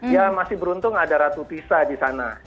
ya masih beruntung ada ratu tisa di sana